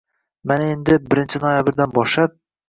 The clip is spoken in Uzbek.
Mana endi, birinchi noyabrdan boshlab